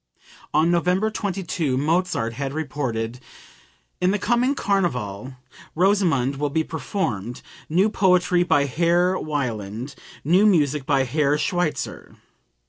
On November 22, Mozart had reported: "In the coming carnival 'Rosamunde' will be performed new poetry by Herr Wieland, new music by Herr Schweitzer."